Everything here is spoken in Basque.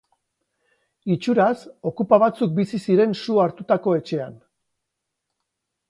Itxuraz, okupa batzuk bizi ziren su hartutako etxean.